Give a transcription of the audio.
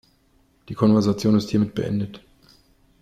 Die Konversation ist hiermit beendet.